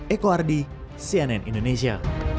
eko ardi cnn indonesia